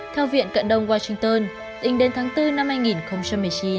theo viện cận đông washington tính đến tháng bốn năm hai nghìn một mươi chín